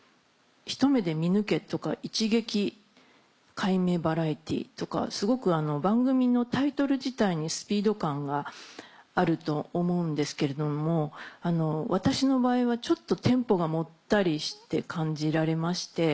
「ひと目で見抜け」とか「一撃解明バラエティ」とかすごく番組のタイトル自体にスピード感があると思うんですけれども私の場合はちょっとテンポがもったりして感じられまして。